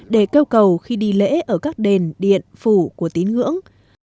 để kêu cầu khi đi lễ ở các đền điện phủ của tín ngưỡng